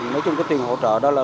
nói chung cái tiền hỗ trợ đó là